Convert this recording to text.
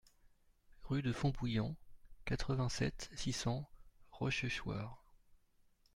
Rue de Fontbouillant, quatre-vingt-sept, six cents Rochechouart